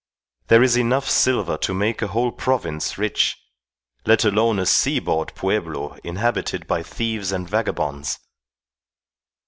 There is enough silver to make a whole province rich, let alone a seaboard pueblo inhabited by thieves and vagabonds.